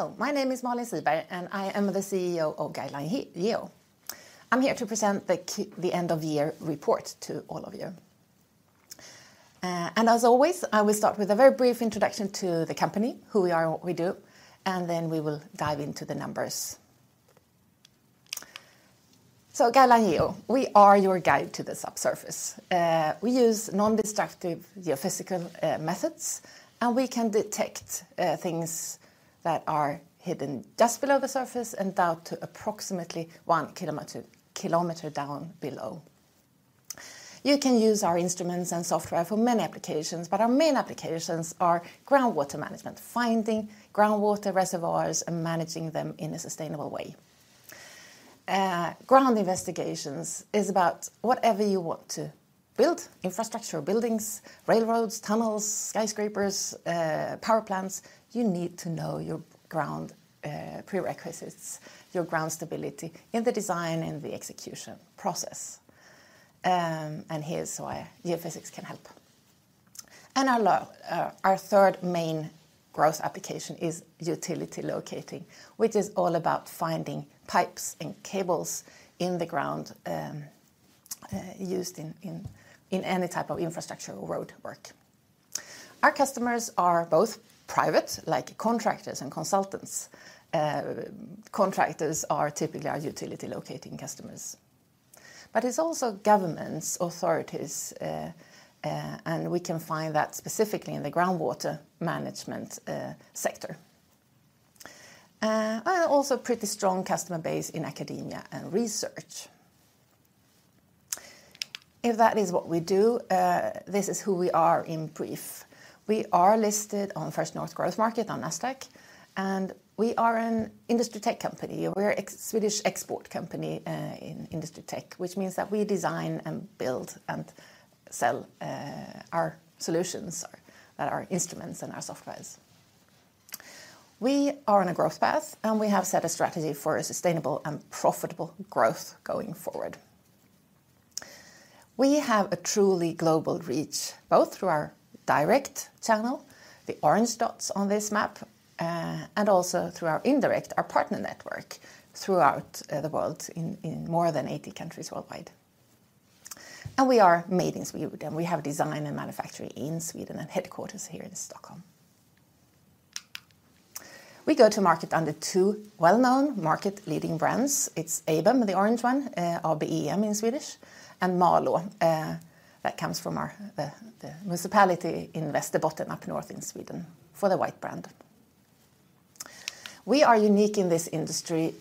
Hello, my name is Malin Siberg and I am the CEO of Guideline Geo. I'm here to present the end-of-year report to all of you. As always, I will start with a very brief introduction to the company, who we are and what we do, and then we will dive into the numbers. Guideline Geo, we are your guide to the subsurface. We use non-destructive geophysical methods, and we can detect things that are hidden just below the surface and down to approximately one kilometer down below. You can use our instruments and software for many applications, but our main applications are groundwater management, finding groundwater reservoirs and managing them in a sustainable way. Ground investigations is about whatever you want to build: infrastructure or buildings, railroads, tunnels, skyscrapers, power plants. You need to know your ground prerequisites, your ground stability in the design and the execution process. Here's why geophysics can help. Our third main growth application is utility locating, which is all about finding pipes and cables in the ground used in any type of infrastructure or roadwork. Our customers are both private, like contractors and consultants. Contractors typically are utility locating customers. But it's also governments, authorities, and we can find that specifically in the groundwater management sector. Also a pretty strong customer base in academia and research. If that is what we do, this is who we are in brief. We are listed on Nasdaq First North Growth Market, and we are an industry tech company. We're a Swedish export company in industry tech, which means that we design and build and sell our solutions, our instruments, and our softwares. We are on a growth path, and we have set a strategy for a sustainable and profitable growth going forward. We have a truly global reach both through our direct channel, the orange dots on this map, and also through our indirect, our partner network throughout the world in more than 80 countries worldwide. We are made in Sweden. We have design and manufacturing in Sweden and headquarters here in Stockholm. We go to market under two well-known market-leading brands. It's ABEM, the orange one, ABEM in Swedish, and MALÅ, that comes from our municipality in Västerbotten up north in Sweden for the white brand. We are unique in this industry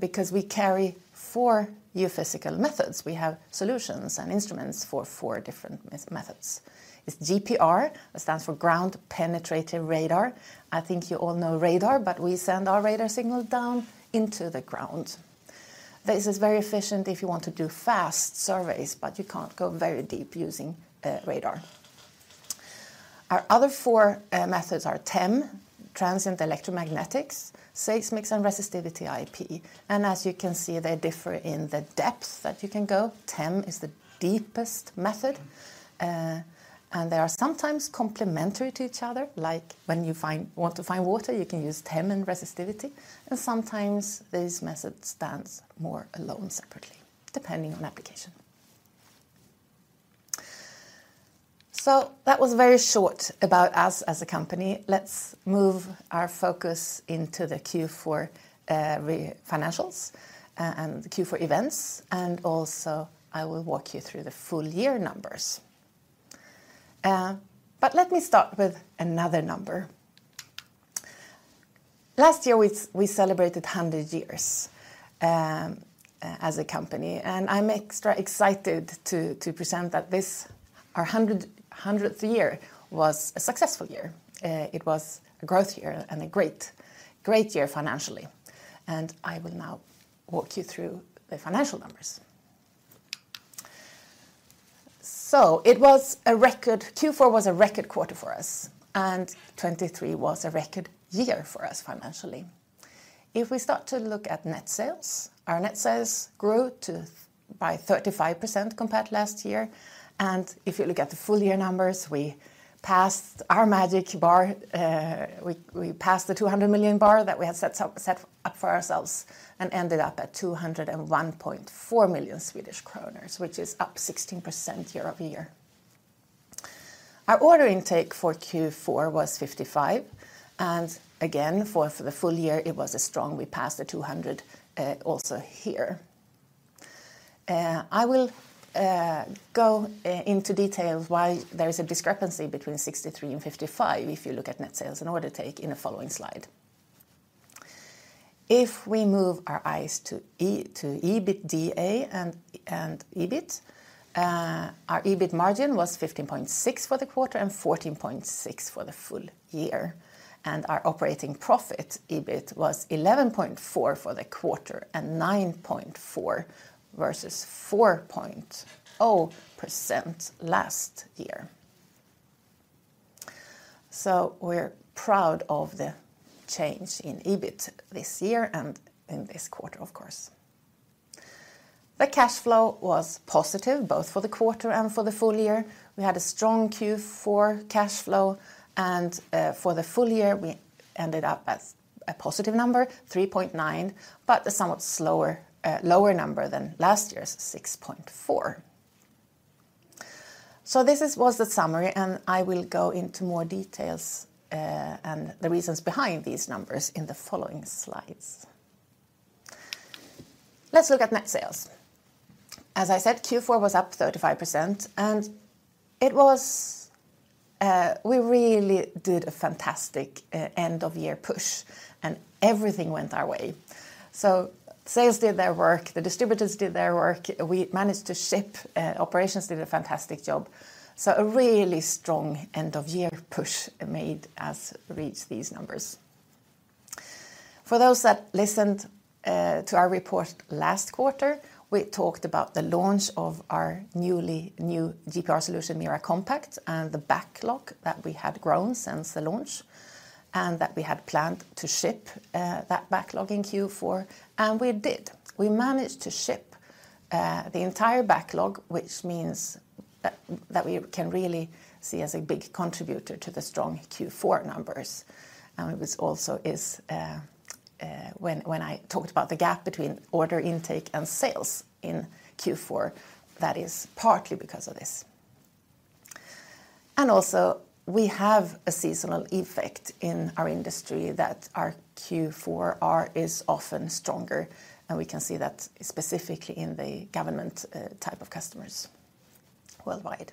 because we carry four geophysical methods. We have solutions and instruments for four different methods. It's GPR, that stands for Ground Penetrating Radar. I think you all know radar, but we send our radar signal down into the ground. This is very efficient if you want to do fast surveys, but you can't go very deep using radar. Our other four methods are TEM, Transient Electromagnetics, Seismics and Resistivity IP. As you can see, they differ in the depth that you can go. TEM is the deepest method. They are sometimes complementary to each other. Like when you want to find water, you can use TEM and resistivity. Sometimes these methods stand more alone separately, depending on application. That was very short about us as a company. Let's move our focus into the Q4 financials and the Q4 events. Also I will walk you through the full year numbers. Let me start with another number. Last year we celebrated 100 years as a company. I'm extra excited to present that our 100th year was a successful year. It was a growth year and a great year financially. I will now walk you through the financial numbers. So it was a record. Q4 was a record quarter for us, and 2023 was a record year for us financially. If we start to look at net sales, our net sales grew by 35% compared to last year. And if you look at the full year numbers, we passed our magic bar. We passed the 200 million bar that we had set up for ourselves and ended up at 201.4 million Swedish kronor, which is up 16% year-over-year. Our order intake for Q4 was 55 million. And again, for the full year, it was strong. We passed the 200 million also here. I will go into details why there is a discrepancy between 63 million and 55 million if you look at net sales and order intake in the following slide. If we move our eyes to EBITDA and EBIT, our EBIT margin was 15.6% for the quarter and 14.6% for the full year. Our operating profit, EBIT, was 11.4% for the quarter and 9.4% versus 4.0% last year. We're proud of the change in EBIT this year and in this quarter, of course. The cash flow was positive both for the quarter and for the full year. We had a strong Q4 cash flow. For the full year, we ended up at a positive number, 3.9%, but a somewhat lower number than last year's 6.4%. This was the summary. I will go into more details and the reasons behind these numbers in the following slides. Let's look at net sales. As I said, Q4 was up 35%. We really did a fantastic end-of-year push, and everything went our way. So sales did their work. The distributors did their work. We managed to ship. Operations did a fantastic job. So a really strong end-of-year push made us reach these numbers. For those that listened to our report last quarter, we talked about the launch of our newly new GPR solution, MIRA Compact, and the backlog that we had grown since the launch and that we had planned to ship that backlog in Q4. We did. We managed to ship the entire backlog, which means that we can really see as a big contributor to the strong Q4 numbers. It was also when I talked about the gap between order intake and sales in Q4, that is partly because of this. Also we have a seasonal effect in our industry that our Q4 is often stronger. We can see that specifically in the government type of customers worldwide.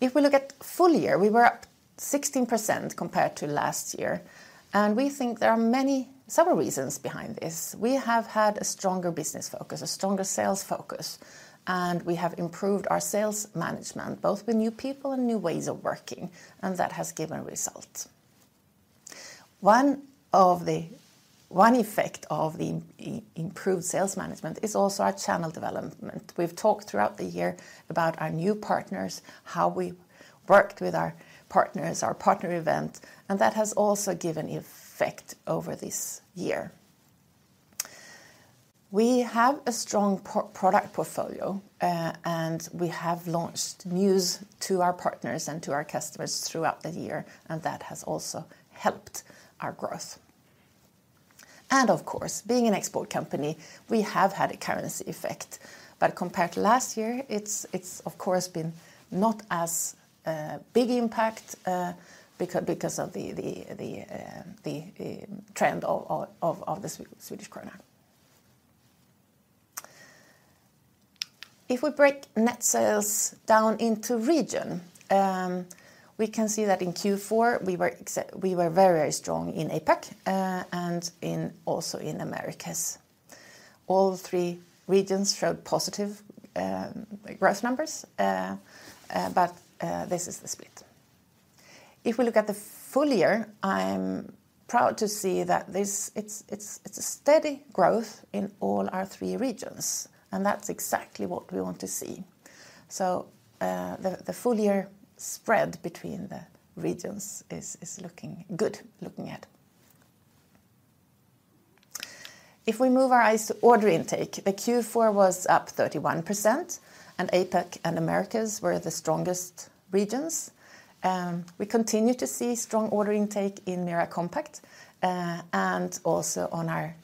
If we look at full year, we were up 16% compared to last year. And we think there are several reasons behind this. We have had a stronger business focus, a stronger sales focus. And we have improved our sales management, both with new people and new ways of working. And that has given results. One effect of the improved sales management is also our channel development. We've talked throughout the year about our new partners, how we worked with our partners, our partner event. And that has also given effect over this year. We have a strong product portfolio. And we have launched news to our partners and to our customers throughout the year. And that has also helped our growth. And of course, being an export company, we have had a currency effect. But compared to last year, it's, of course, been not as big impact because of the trend of the Swedish kronor. If we break net sales down into region, we can see that in Q4 we were very, very strong in APAC and also in Americas. All three regions showed positive growth numbers. But this is the split. If we look at the full year, I'm proud to see that it's a steady growth in all our three regions. And that's exactly what we want to see. So the full year spread between the regions is looking good looking at. If we move our eyes to order intake, the Q4 was up 31%. And APAC and Americas were the strongest regions. We continue to see strong order intake in MIRA Compact and also on our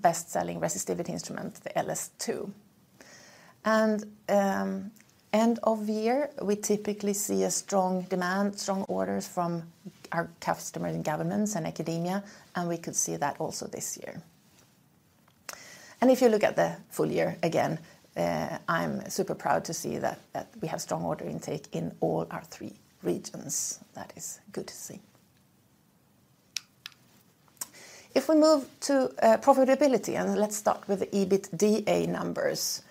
best-selling resistivity instrument, the LS2. End of year, we typically see a strong demand, strong orders from our customers and governments and academia. We could see that also this year. If you look at the full year again, I'm super proud to see that we have strong order intake in all our three regions. That is good to see. If we move to profitability, and let's start with the EBITDA numbers.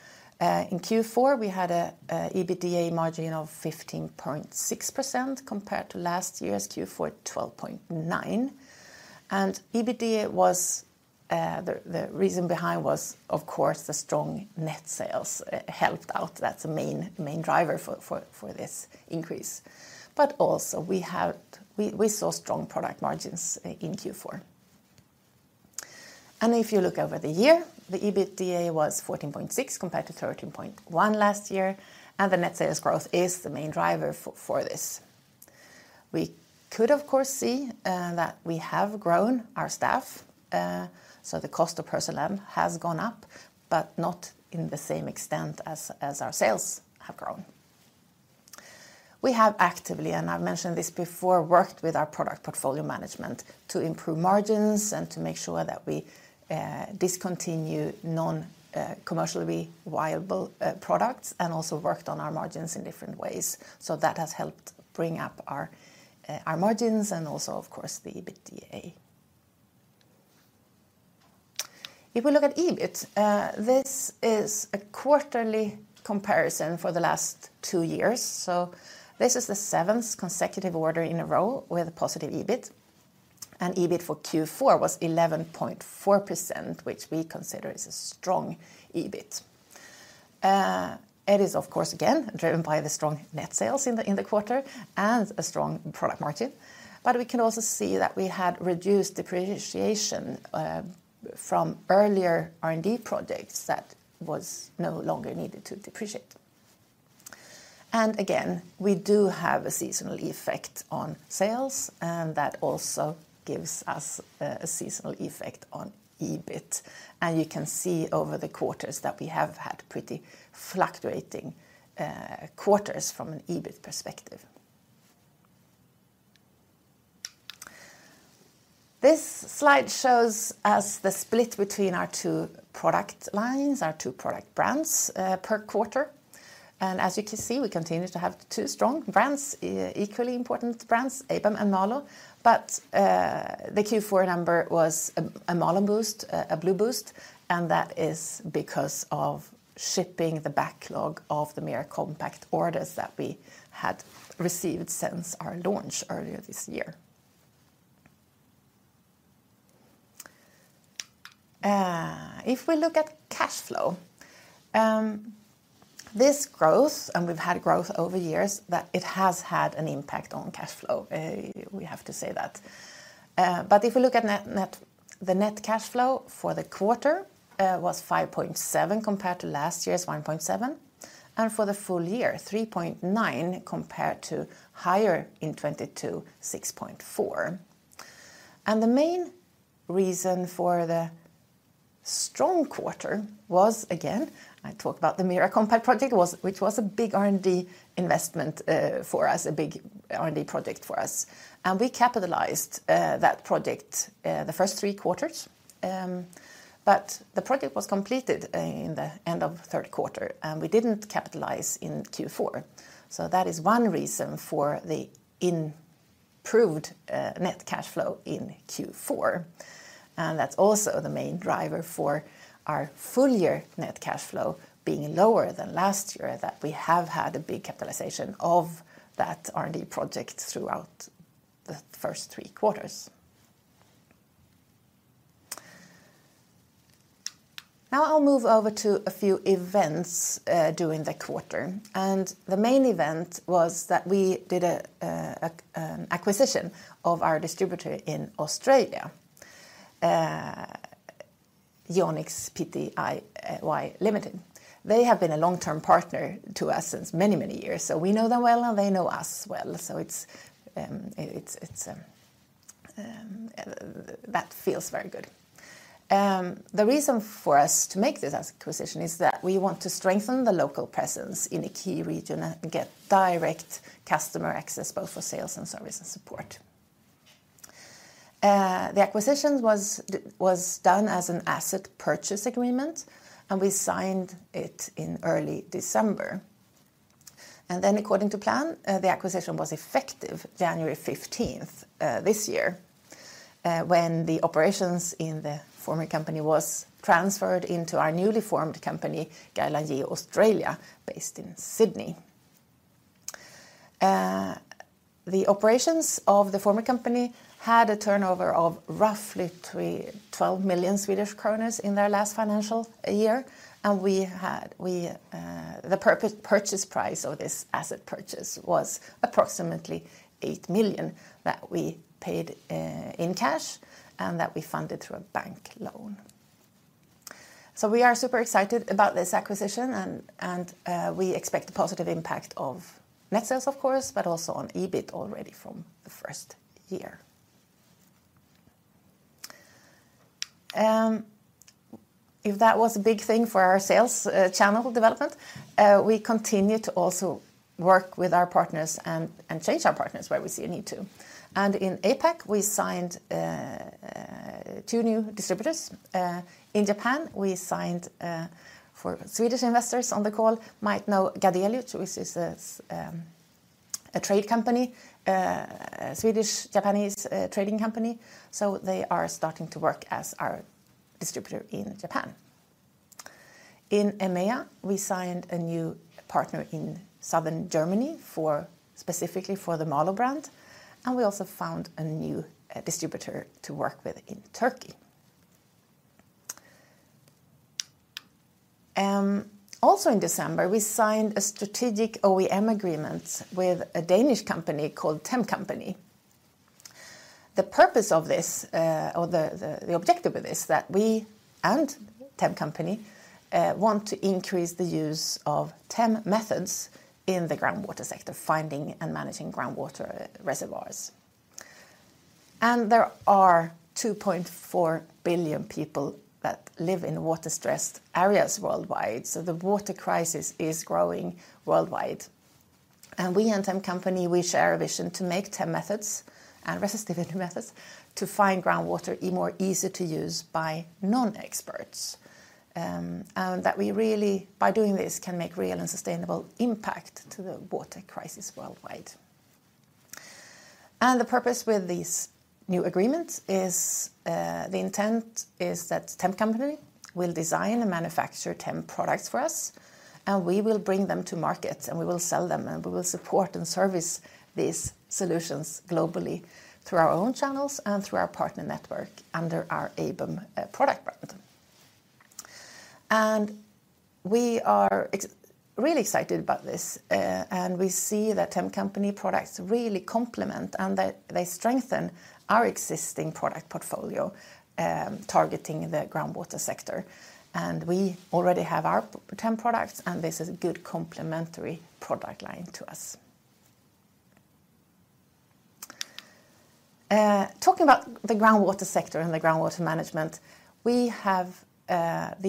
In Q4, we had an EBITDA margin of 15.6% compared to last year's Q4, 12.9%. The reason behind was, of course, the strong net sales helped out. That's the main driver for this increase. But also we saw strong product margins in Q4. If you look over the year, the EBITDA was 14.6% compared to 13.1% last year. The net sales growth is the main driver for this. We could, of course, see that we have grown our staff. The cost of personnel has gone up, but not in the same extent as our sales have grown. We have actively, and I've mentioned this before, worked with our product portfolio management to improve margins and to make sure that we discontinue non-commercially viable products and also worked on our margins in different ways. So that has helped bring up our margins and also, of course, the EBITDA. If we look at EBIT, this is a quarterly comparison for the last two years. So this is the seventh consecutive quarter in a row with a positive EBIT. EBIT for Q4 was 11.4%, which we consider is a strong EBIT. It is, of course, again, driven by the strong net sales in the quarter and a strong product margin. We can also see that we had reduced depreciation from earlier R&D projects that was no longer needed to depreciate. Again, we do have a seasonal effect on sales. That also gives us a seasonal effect on EBIT. You can see over the quarters that we have had pretty fluctuating quarters from an EBIT perspective. This slide shows us the split between our two product lines, our two product brands per quarter. As you can see, we continue to have two strong brands, equally important brands, ABEM and MAlÅ. The Q4 number was a MAlÅ boost, a blue boost. That is because of shipping the backlog of the Mira Compact orders that we had received since our launch earlier this year. If we look at cash flow, this growth, and we've had growth over years, that it has had an impact on cash flow, we have to say that. But if we look at the net cash flow for the quarter, it was 5.7% compared to last year's 1.7%. And for the full year, 3.9% compared to higher in 2022, 6.4%. And the main reason for the strong quarter was, again, I talk about the MALÅ MIRA Compact project, which was a big R&D investment for us, a big R&D project for us. And we capitalized that project the first three quarters. But the project was completed in the end of third quarter. And we didn't capitalize in Q4. So that is one reason for the improved net cash flow in Q4. That's also the main driver for our full year net cash flow being lower than last year, that we have had a big capitalization of that R&D project throughout the first three quarters. Now I'll move over to a few events during the quarter. The main event was that we did an acquisition of our distributor in Australia, Geonix Pty Ltd. They have been a long-term partner to us since many, many years. So we know them well, and they know us well. So that feels very good. The reason for us to make this acquisition is that we want to strengthen the local presence in a key region and get direct customer access, both for sales and service and support. The acquisition was done as an asset purchase agreement. We signed it in early December. Then, according to plan, the acquisition was effective January 15th this year, when the operations in the former company were transferred into our newly formed company, Guideline Geo Australia, based in Sydney. The operations of the former company had a turnover of roughly 12 million Swedish kronor in their last financial year. And the purchase price of this asset purchase was approximately 8 million that we paid in cash and that we funded through a bank loan. So we are super excited about this acquisition. And we expect a positive impact of net sales, of course, but also on EBIT already from the first year. If that was a big thing for our sales channel development, we continue to also work with our partners and change our partners where we see a need to. And in APAC, we signed 2 new distributors. In Japan, we signed for Swedish investors on the call might know Gadelius, which is a trade company, a Swedish-Japanese trading company. So they are starting to work as our distributor in Japan. In EMEA, we signed a new partner in southern Germany specifically for the MAlÅ brand. And we also found a new distributor to work with in Turkey. Also in December, we signed a strategic OEM agreement with a Danish company called TEMcompany. The purpose of this, or the objective of this, is that we and TEMcompany want to increase the use of TEM methods in the groundwater sector, finding and managing groundwater reservoirs. And there are 2.4 billion people that live in water-stressed areas worldwide. So the water crisis is growing worldwide. We and TEMcompany, we share a vision to make TEM methods and resistivity methods to find groundwater more easy to use by non-experts. That we really, by doing this, can make real and sustainable impact to the water crisis worldwide. The purpose with these new agreements is the intent is that TEMcompany will design and manufacture TEM products for us. We will bring them to market. We will sell them. We will support and service these solutions globally through our own channels and through our partner network under our ABEM product brand. We are really excited about this. We see that TEMcompany products really complement and they strengthen our existing product portfolio targeting the groundwater sector. We already have our TEM products. This is a good complementary product line to us. Talking about the groundwater sector and the groundwater management, we also have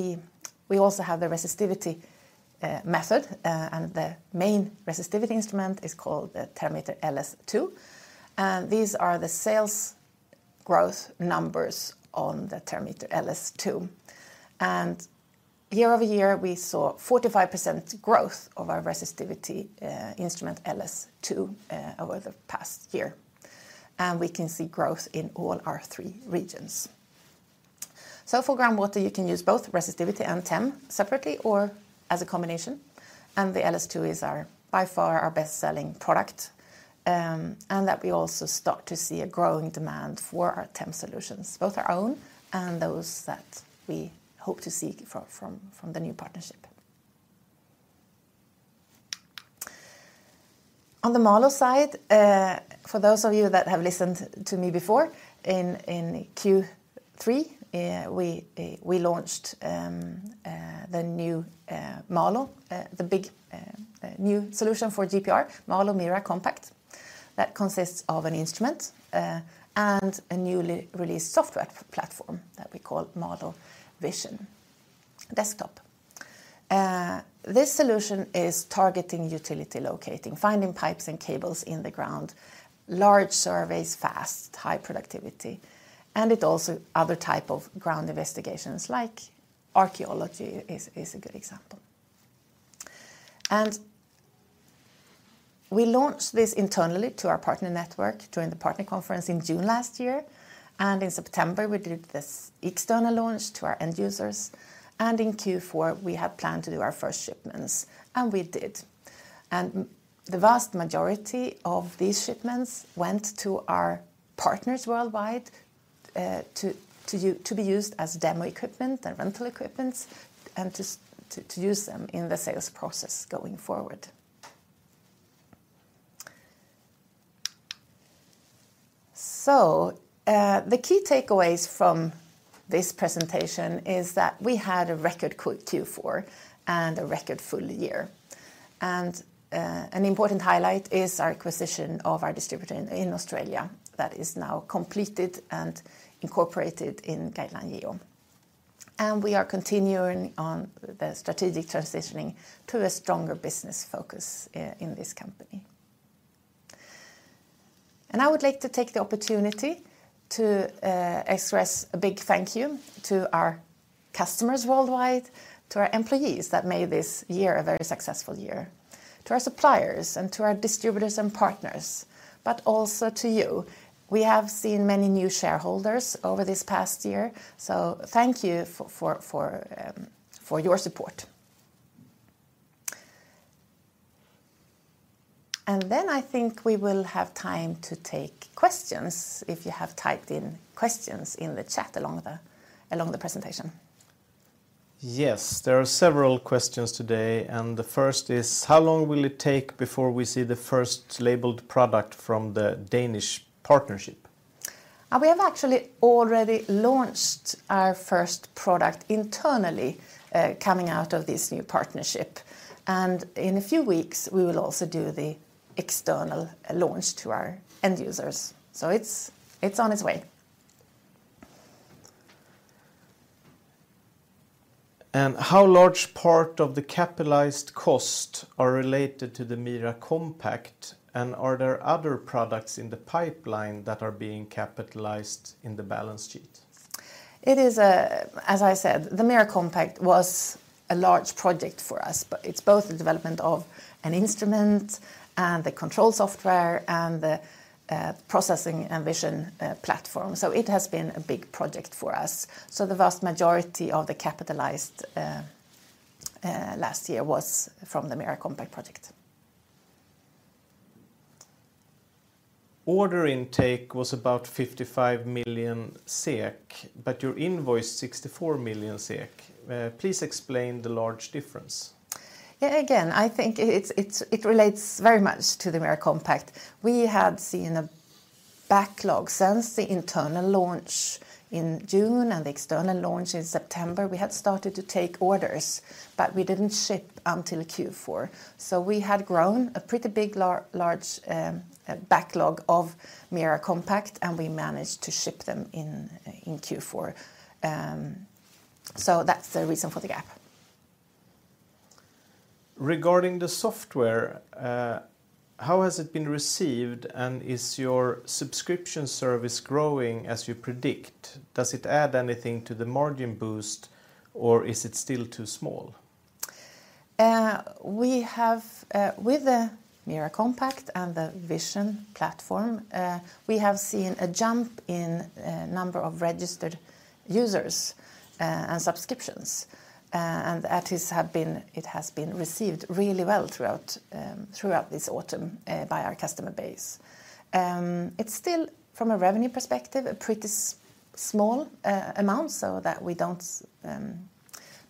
the resistivity method. The main resistivity instrument is called the Terrameter LS2. These are the sales growth numbers on the Terrameter LS2. Year-over-year, we saw 45% growth of our resistivity instrument LS2 over the past year. We can see growth in all our three regions. For groundwater, you can use both resistivity and TEM separately or as a combination. The LS2 is by far our best-selling product. And that we also start to see a growing demand for our TEM solutions, both our own and those that we hope to see from the new partnership. On the MAlÅ side, for those of you that have listened to me before, in Q3, we launched the new MAlÅ, the big new solution for GPR, MAlÅ Mira Compact. That consists of an instrument and a newly released software platform that we call MALÅ Vision Desktop. This solution is targeting utility locating, finding pipes and cables in the ground, large surveys, fast, high productivity. And it also other types of ground investigations like archaeology is a good example. And we launched this internally to our partner network during the partner conference in June last year. And in September, we did this external launch to our end users. And in Q4, we had planned to do our first shipments. And we did. And the vast majority of these shipments went to our partners worldwide to be used as demo equipment and rental equipments and to use them in the sales process going forward. So the key takeaways from this presentation is that we had a record Q4 and a record full year. An important highlight is our acquisition of our distributor in Australia that is now completed and incorporated in Guideline Geo. We are continuing on the strategic transitioning to a stronger business focus in this company. I would like to take the opportunity to express a big thank you to our customers worldwide, to our employees that made this year a very successful year, to our suppliers and to our distributors and partners, but also to you. We have seen many new shareholders over this past year. So thank you for your support. Then I think we will have time to take questions if you have typed in questions in the chat along the presentation. Yes, there are several questions today. And the first is, how long will it take before we see the first labeled product from the Danish partnership? We have actually already launched our first product internally coming out of this new partnership. And in a few weeks, we will also do the external launch to our end users. So it's on its way. And how large part of the capitalized costs are related to the Mira Compact? And are there other products in the pipeline that are being capitalized in the balance sheet? It is, as I said, the Mira Compact was a large project for us. But it's both the development of an instrument and the control software and the processing and vision platform. So it has been a big project for us. So the vast majority of the capitalized last year was from the Mira Compact project. Order intake was about 55 million SEK. But you invoiced 64 million SEK. Please explain the large difference. Yeah, again, I think it relates very much to the MIRA Compact. We had seen a backlog since the internal launch in June and the external launch in September. We had started to take orders. But we didn't ship until Q4. So we had grown a pretty big large backlog of MIRA Compact. And we managed to ship them in Q4. So that's the reason for the gap. Regarding the software, how has it been received? And is your subscription service growing as you predict? Does it add anything to the margin boost? Or is it still too small? With the MIRA Compact and the Vision platform, we have seen a jump in number of registered users and subscriptions. And it has been received really well throughout this autumn by our customer base. It's still, from a revenue perspective, a pretty small amount so that we don't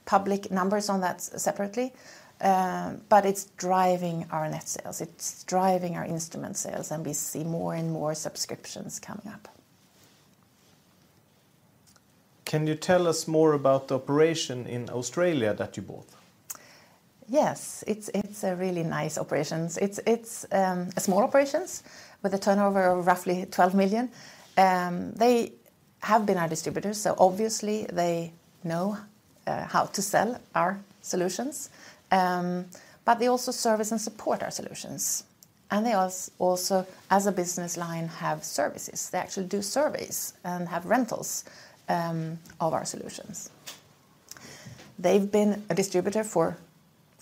publish numbers on that separately. But it's driving our net sales. It's driving our instrument sales. And we see more and more subscriptions coming up. Can you tell us more about the operation in Australia that you bought? Yes, it's a really nice operation. It's a small operation with a turnover of roughly 12 million. They have been our distributors. So obviously, they know how to sell our solutions. But they also service and support our solutions. And they also, as a business line, have services. They actually do surveys and have rentals of our solutions. They've been a distributor for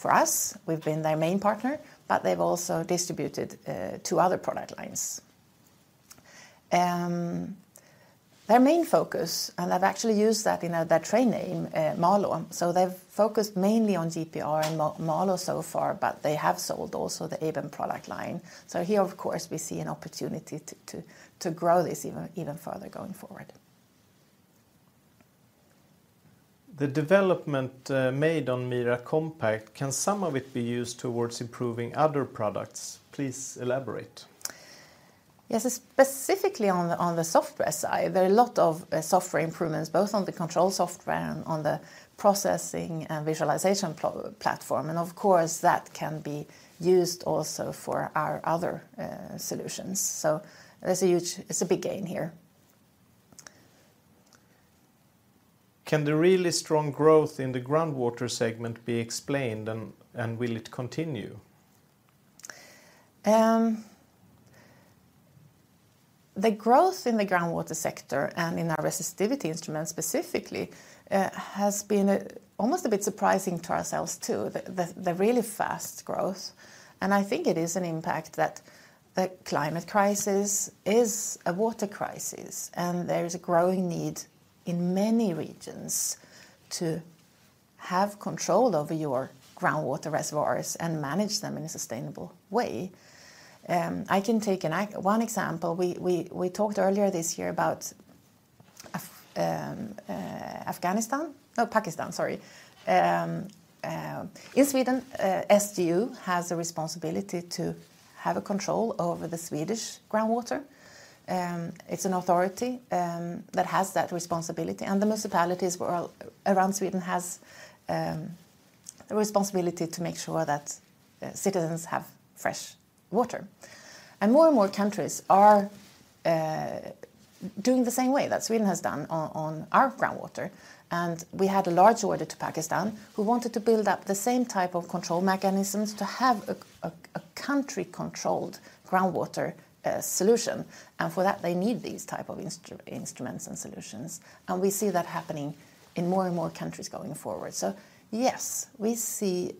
us. We've been their main partner. But they've also distributed two other product lines. Their main focus, and I've actually used that in their trade name, MALÅ, so they've focused mainly on GPR and MALÅ so far. But they have sold also the ABEM product line. So here, of course, we see an opportunity to grow this even further going forward. The development made on MIRA Compact, can some of it be used towards improving other products? Please elaborate. Yes, specifically on the software side, there are a lot of software improvements, both on the control software and on the processing and visualization platform. And of course, that can be used also for our other solutions. So it's a big gain here. Can the really strong growth in the groundwater segment be explained? And will it continue? The growth in the groundwater sector and in our resistivity instrument specifically has been almost a bit surprising to ourselves too, the really fast growth. I think it is an impact that the climate crisis is a water crisis. There is a growing need in many regions to have control over your groundwater reservoirs and manage them in a sustainable way. I can take one example. We talked earlier this year about Afghanistan, no, Pakistan, sorry. In Sweden, SGU has a responsibility to have control over the Swedish groundwater. It's an authority that has that responsibility. The municipalities around Sweden have the responsibility to make sure that citizens have fresh water. More and more countries are doing the same way that Sweden has done on our groundwater. We had a large order to Pakistan who wanted to build up the same type of control mechanisms to have a country-controlled groundwater solution. For that, they need these types of instruments and solutions. We see that happening in more and more countries going forward. Yes, we see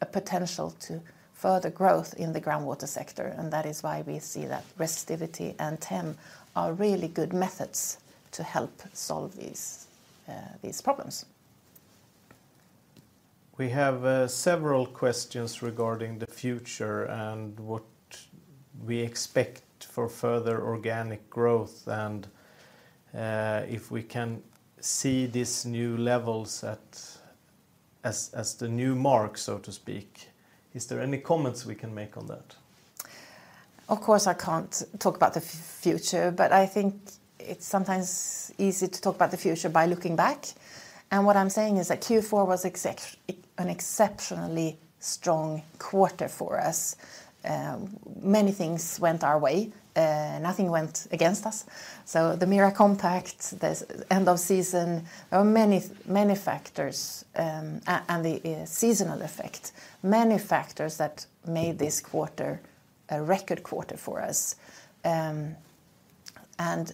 a potential to further growth in the groundwater sector. That is why we see that resistivity and TEM are really good methods to help solve these problems. We have several questions regarding the future and what we expect for further organic growth. If we can see these new levels as the new mark, so to speak, is there any comments we can make on that? Of course, I can't talk about the future. I think it's sometimes easy to talk about the future by looking back. What I'm saying is that Q4 was an exceptionally strong quarter for us. Many things went our way. Nothing went against us. So the MALÅ MIRA Compact, end of season, there were many factors and the seasonal effect, many factors that made this quarter a record quarter for us. And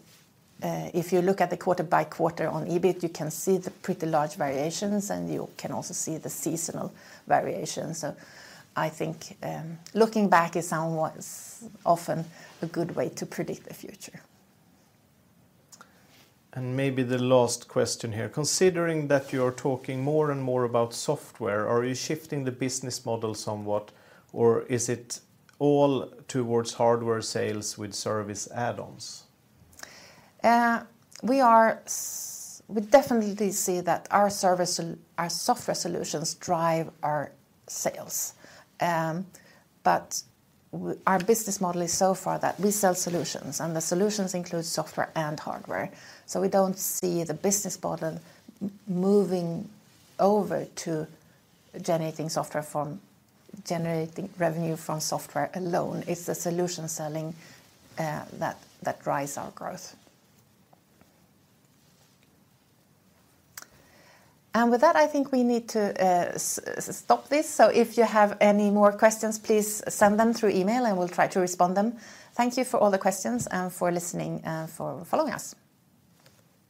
if you look at the quarter by quarter on EBIT, you can see the pretty large variations. And you can also see the seasonal variations. So I think looking back is often a good way to predict the future. And maybe the last question here. Considering that you are talking more and more about software, are you shifting the business model somewhat? Or is it all towards hardware sales with service add-ons? We definitely see that our software solutions drive our sales. But our business model is so far that we sell solutions. And the solutions include software and hardware. So we don't see the business model moving over to generating software from generating revenue from software alone. It's the solution selling that drives our growth. With that, I think we need to stop this. If you have any more questions, please send them through email. We'll try to respond them. Thank you for all the questions and for listening and for following us.